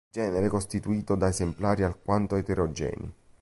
Genere costituito da esemplari alquanto eterogenei.